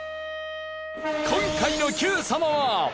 今回の『Ｑさま！！』は。